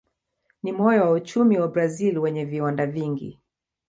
Ni moyo wa uchumi wa Brazil wenye viwanda vingi.